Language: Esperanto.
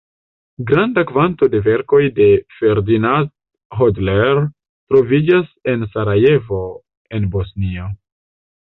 Granda kvanto de verkoj de Ferdinand Hodler troviĝas en Sarajevo, en Bosnio.